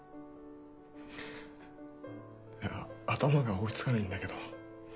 頭が追い付かないんだけど。